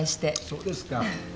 そうですか。